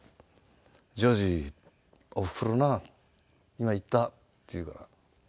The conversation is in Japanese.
「譲二おふくろな今逝った」って言うから。